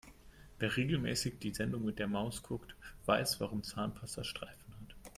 Wer regelmäßig die Sendung mit der Maus guckt, weiß warum Zahnpasta Streifen hat.